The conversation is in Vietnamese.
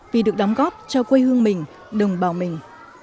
vì được đóng góp cho quê hương mình đồng bào mình